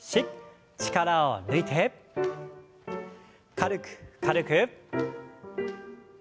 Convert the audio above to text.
軽く軽く。